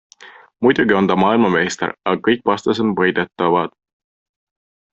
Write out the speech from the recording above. Muidugi on ta maailmameister, aga kõik vastased on võidetavad.